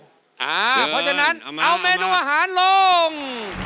เพราะฉะนั้นเอาเมนูอาหารลง